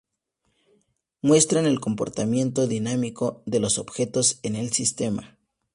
Muestran el comportamiento dinámico de los objetos en el sistema.